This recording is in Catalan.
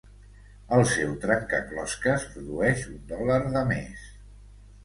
El seu trencaclosques produeix un dòlar de més.